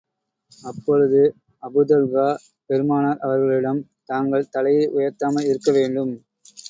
அப்பொழுது அபூதல்ஹா, பெருமானார் அவர்களிடம் தாங்கள், தலையை உயர்த்தாமல் இருக்க வேண்டும்.